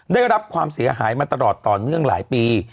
ได้รับความเสียหายมาตลอดต่อเนื่องหลายปี